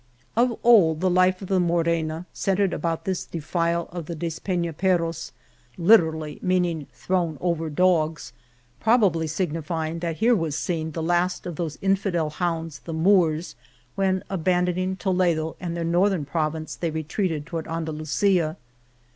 Of old the life of the Morena centred about this defile of Despenaperros, literally meaning, thrown over dogs," probably sig nifying that here was seen the last of those infidel hounds, the Moors, when, aban doning Toledo and their northern province. they retreated toward Andalusia.